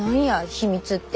秘密って。